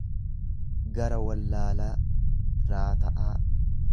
gara wallaalaa, raata'aa.